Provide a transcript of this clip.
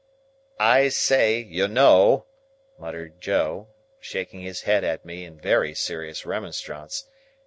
"I say, you know!" muttered Joe, shaking his head at me in very serious remonstrance.